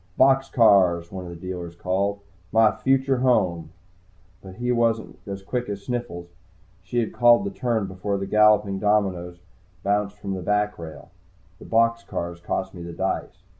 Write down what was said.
"Box cars!" one of the dealers called. "My future home." But he wasn't as quick as Sniffles. She had called the turn before the galloping dominoes had bounced from the backrail. The box cars cost me the dice.